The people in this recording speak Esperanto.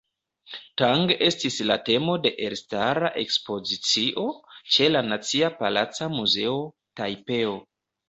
Tang estis la temo de elstara ekspozicio ĉe la Nacia Palaca Muzeo, Tajpeo.